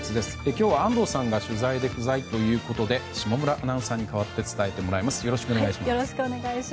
今日は安藤さんが取材で不在ということで下村アナウンサーに代わって伝えてもらいます。